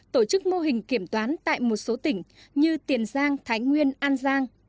tổ chức mô hình kiểm toán tại một số tỉnh như tiền giang thái nguyên an giang